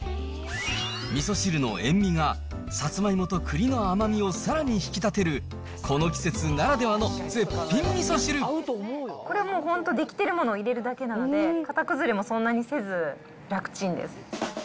みそ汁の塩味が、サツマイモとくりの甘みをさらに引き立てる、この季節ならではのこれはもう、本当出来てるものを入れるだけなので、型崩れもそんなにせず、楽ちんです。